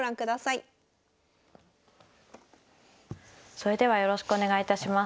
それではよろしくお願いいたします。